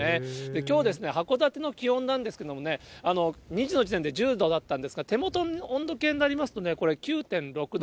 きょう、函館の気温なんですけれどもね、２時の時点で１０度だったんですが、手元の温度計になりますとね、これ、９．６度。